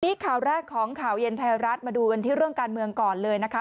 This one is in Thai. นี่ข่าวแรกของข่าวเย็นไทยรัฐมาดูกันที่เรื่องการเมืองก่อนเลยนะคะ